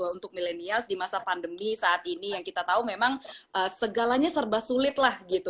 untuk milenials di masa pandemi saat ini yang kita tahu memang segalanya serba sulit lah gitu